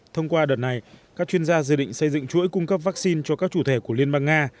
thông qua đợt này các chuyên gia dự định xây dựng chuỗi cung cấp vaccine cho các chủ thể của liên bang nga